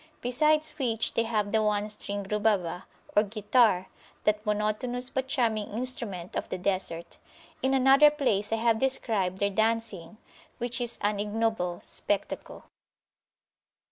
Besides which, they have the one stringed Rubabah, or guitar, that monotonous but charming instrument of the Desert. In another place I have described their dancing, which is an ignoble spectacle.